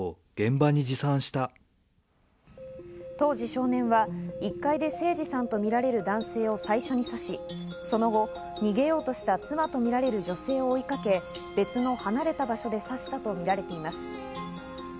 当時少年は１階で盛司さんとみられる男性を最初に刺し、その後、逃げようとした妻とみられる女性を追いかけ、別の離れた場所で刺したとみられています。